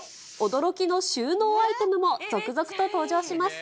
驚きの収納アイテムも続々と登場します。